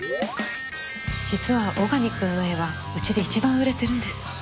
実は尾上くんの絵はうちで一番売れてるんです。